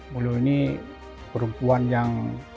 mulu ini perempuan yang